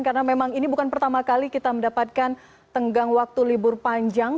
karena memang ini bukan pertama kali kita mendapatkan tenggang waktu libur panjang